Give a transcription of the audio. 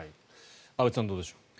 安部さん、どうでしょう。